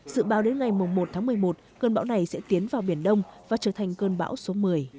dự báo đến ngày một tháng một mươi một cơn bão này sẽ tiến vào biển đông và trở thành cơn bão số một mươi